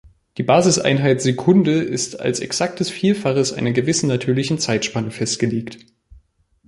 Die Basiseinheit "Sekunde" ist als exaktes Vielfaches einer gewissen natürlichen Zeitspanne festgelegt.